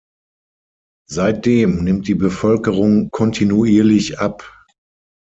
Seitdem nimmt die Bevölkerung kontinuierlich ab.